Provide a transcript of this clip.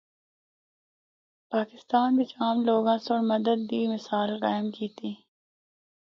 پاکستان بچ عام لوگاں سنڑ مدد دی مثال قائم کیتی۔